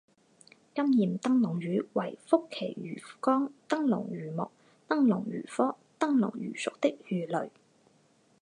金焰灯笼鱼为辐鳍鱼纲灯笼鱼目灯笼鱼科灯笼鱼属的鱼类。